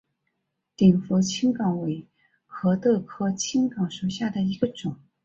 鼎湖青冈为壳斗科青冈属下的一个种。